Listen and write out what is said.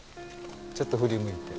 ちょっと振り向いて。